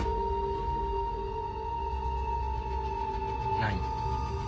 何？